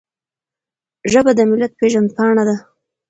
ژبه د ملت پیژند پاڼه ده.